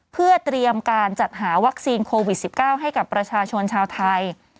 เพื่อเตรียมการจัดหาวัคซีนโควิด๑๙ให้กับประชาชนชาวไทย